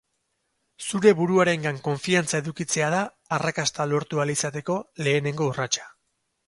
Zure buruarengan konfiantza edukitzea da arrakasta lortu ahal izateko lehenengo urratsa.